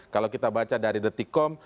kalau kita baca dari detikom